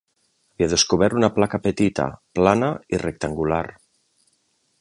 Havia descobert una placa petita, plana i rectangular.